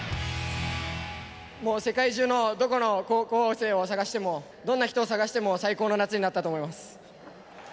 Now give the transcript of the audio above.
もう世界中のどこの高校生を探しても、どんな人を探しても、最高の夏になったと思います。